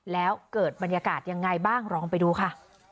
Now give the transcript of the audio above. แล้วเกิดบรรยากาศยังไงบ้างลองไปดูค่ะ